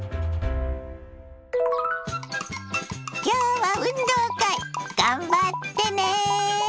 今日は運動会頑張ってね！